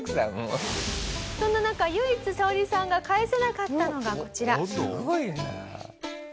そんな中唯一サオリさんが返せなかったのがこちら。